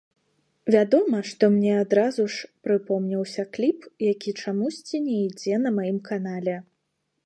Вядома, што мне адразу ж прыпомніўся кліп, які чамусьці не ідзе на маім канале.